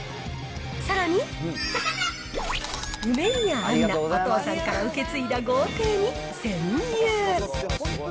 さらに、梅宮アンナ、お父さんから受け継いだ豪邸に潜入！